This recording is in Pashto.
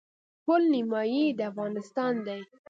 پل نیمايي د افغانستان دی.